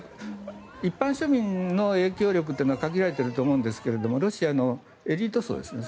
一般庶民の影響力というのは限られていると思うんですがロシアのエリート層ですね